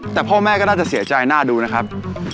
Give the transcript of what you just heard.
แต่พ่อแม่ก็น่าจะเสียใจน่าดูนะครับ